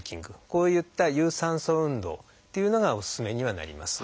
こういった有酸素運動っていうのがおすすめにはなります。